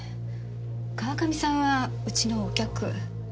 川上さんはうちのお客。